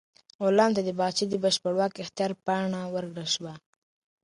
غلام ته د باغچې د بشپړ واک اختیار پاڼه ورکړل شوه.